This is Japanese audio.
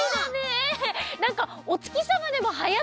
なんかおつきさまでもはやってるらしいね。